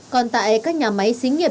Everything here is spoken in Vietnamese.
còn tại các nhà máy xí nghiệp